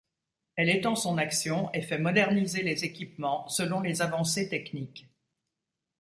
Elle étend son action, et fait moderniser les équipements selon les avancées techniques.